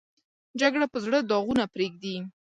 جګړه په زړه داغونه پرېږدي